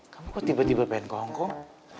kamu kok tiba tiba pengen ke hongkong